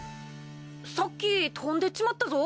さっき飛んでっちまったぞ。